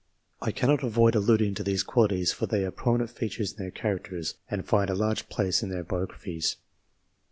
I cannot avoid alluding to these qualities, for they are prominent features in their characters, and find a large place in their biographies.